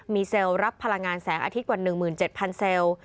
มีเซลล์รับพลังงานแสงอาทิตย์กว่า๑๗๐๐เซลล์